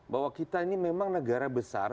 bahwa kita ini memang negara besar